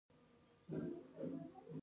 کوچني کاروبارونه د هیواد د ابادۍ نښه ده.